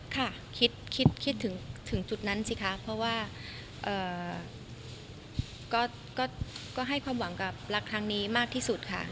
ค่ะคิดคิดถึงจุดนั้นสิคะเพราะว่าก็ให้ความหวังกับรักครั้งนี้มากที่สุดค่ะ